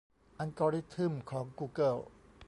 อัลกอริทึมของกูเกิล